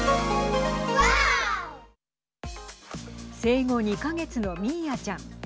生後２か月のミーアちゃん。